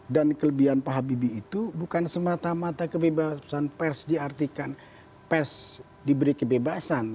dan kelebihan pak habibie itu bukan semata mata kebebasan pers diartikan pers diberi kebebasan